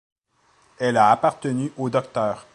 Elle a appartenu au Dr.